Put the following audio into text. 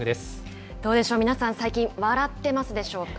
どうでしょう、皆さん、最近、笑ってますでしょうか。